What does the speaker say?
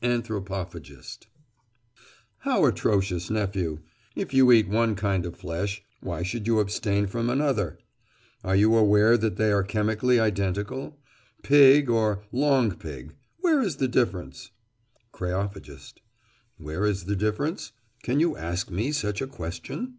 ANTHROPOPHAGIST: How atrocious, nephew? If you eat one kind of flesh, why should you abstain from another? Are you aware that they are chemically identical? Pig or "long pig"—where is the difference? KREOPHAGIST: Where is the difference? Can you ask me such a question?